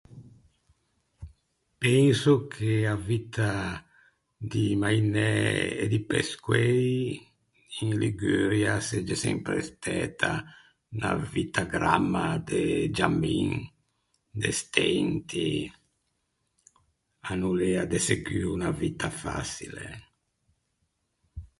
Penso che a vitta di mainæ e di pescoei in Liguria a segge sempre stæta unna vitta gramma de giamin, de stenti. A no l’ea de seguo unna vitta façile.